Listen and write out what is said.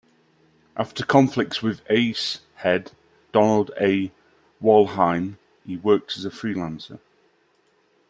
After conflicts with Ace head Donald A. Wollheim, he worked as a freelancer.